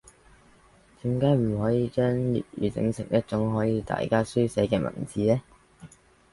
點解唔可以將粵語整成一種可以大家書寫嘅文字呢?